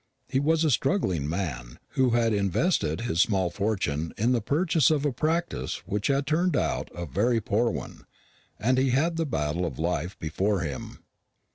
He was a struggling man, who had invested his small fortune in the purchase of a practice which had turned out a very poor one, and he had the battle of life before him.